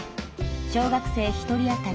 小学生１人あたり